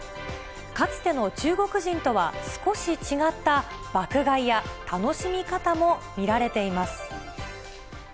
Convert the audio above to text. かつての中国人とは少し違った爆買いや楽しみ方も見られています。